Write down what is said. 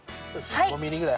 はい。